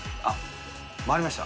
回りました。